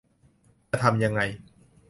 จะทำยังไง